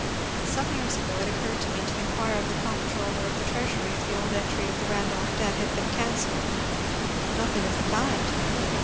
Some years ago it occurred to me to inquire of the Comptroller of the Treasury if the old entry of the Randolph debt had been cancelled. Nothing of the kind